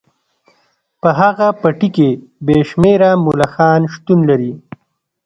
په هغه پټي کې بې شمیره ملخان شتون لري